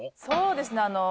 そうですね。